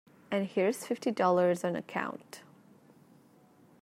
And here's fifty dollars on account.